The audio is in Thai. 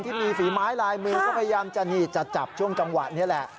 ที่มีฝีไม้ลายมือก็พยายามจะนี่จะจับช่วงจังหวะนี้แหละ